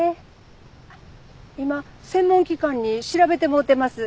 あっ今専門機関に調べてもろてます。